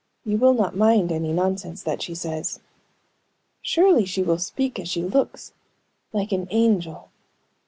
You will not mind any nonsense that she says." "Surely she will speak as she looks, like an angel."